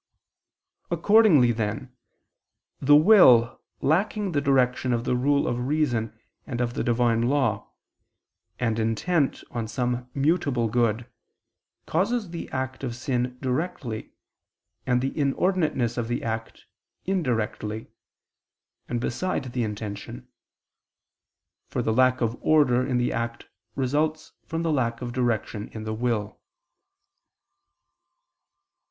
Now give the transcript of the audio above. Accordingly then, the will lacking the direction of the rule of reason and of the Divine law, and intent on some mutable good, causes the act of sin directly, and the inordinateness of the act, indirectly, and beside the intention: for the lack of order in the act results from the lack of direction in the will.